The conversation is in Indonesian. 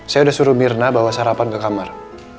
saya sudah suruh mirna bawa sarapan ke kamar